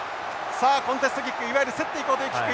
さあコンテストキックいわゆる競っていこうというキック。